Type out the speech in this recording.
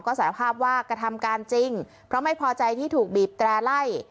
ก็สารภาพว่ากระทำการจริงเพราะไม่พอใจที่ถูกบีบแตร่ไล่